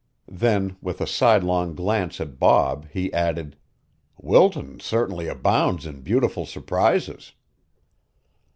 Then with a sidelong glance at Bob he added: "Wilton certainly abounds in beautiful surprises."